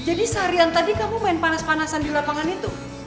jadi seharian tadi kamu main panas panasan di lapangan itu